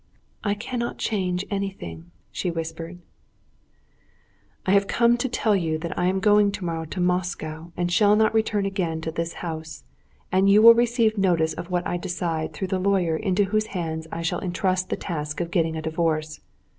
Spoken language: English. "I cannot change anything," she whispered. "I have come to tell you that I am going tomorrow to Moscow, and shall not return again to this house, and you will receive notice of what I decide through the lawyer into whose hands I shall intrust the task of getting a divorce.